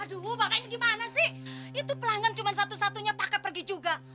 aduh bu pakainya gimana sih itu pelanggan cuma satu satunya pakai pergi juga